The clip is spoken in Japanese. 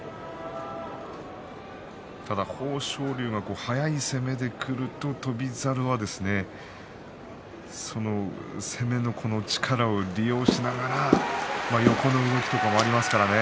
ただ、豊昇龍が速い攻めでくると翔猿は、その攻めの力を利用しながら横の動きとかもありますからね。